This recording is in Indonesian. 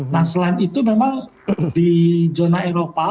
nah selain itu memang di zona eropa